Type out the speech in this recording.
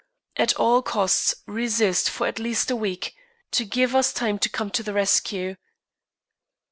At all costs resist for at least a week, to give us time to come to the rescue."